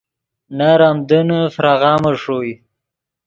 نر آمدنّے فراغامے ݰوئے